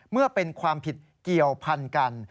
เมื่อเป็นความผิดเกี่ยวพันกัน